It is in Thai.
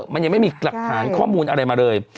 มันยังไม่มีหลักฐานข้อมูลอะไรมาเลย